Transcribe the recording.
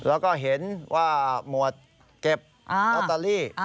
แล้วก็เห็นว่าหมวดเก็บลอตเตอรี่